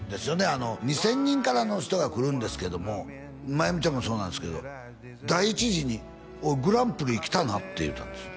あの２０００人からの人が来るんですけども万由美ちゃんもそうなんですけど第１次にグランプリ来たなって言うたんです